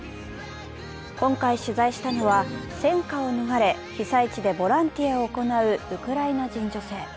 今回取材したのは戦火を逃れ被災地でボランティアを行うウクライナ人女性。